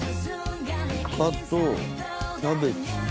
イカとキャベツ。